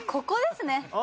ここですね。